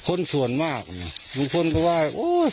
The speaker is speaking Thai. คนส่วนมากลุงพลก็ว่าโอ้ย